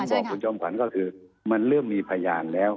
ที่ผมบอกคุณจอมขวัญมันเริ่มมีพยานแล้ว